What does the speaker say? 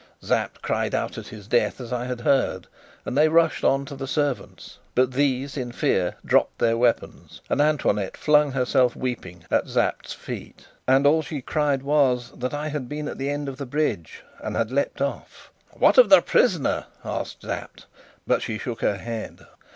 Sapt cried out at his death, as I had heard, and they rushed on the servants; but these, in fear, dropped their weapons, and Antoinette flung herself weeping at Sapt's feet. And all she cried was that I had been at the end of the bridge and leapt off. "What of the prisoner?" asked Sapt; but she shook her head.